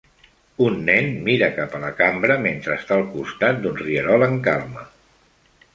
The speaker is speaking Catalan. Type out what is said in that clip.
Un nen mira cap a la cambra mentre està al costat d'un rierol en calma